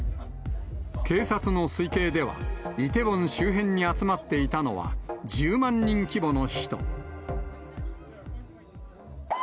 警察の推計では、イテウォン周辺に集まっていたのは１０万人規模の人。